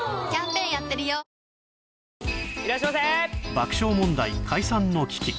爆笑問題解散の危機